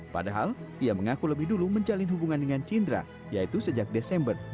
padahal ia mengaku lebih dulu menjalin hubungan dengan cindra yaitu sejak desember dua ribu enam belas